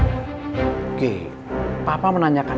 oke papa menanyakan